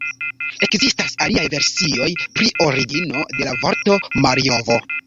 Ekzistas aliaj versioj pri origino de la vorto Marjovo.